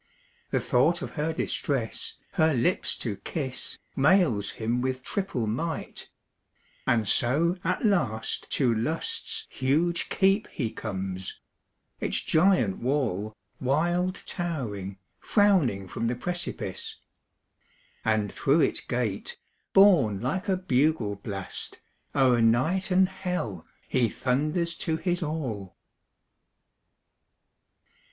The thought of her distress, her lips to kiss, Mails him with triple might; and so at last To Lust's huge keep he comes; its giant wall, Wild towering, frowning from the precipice; And through its gate, borne like a bugle blast, O'er night and hell he thunders to his all.